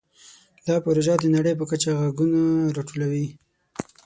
دا پروژه د نړۍ په کچه غږونه راټولوي.